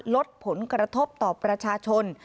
ลดผลกระทบต่อประชาชน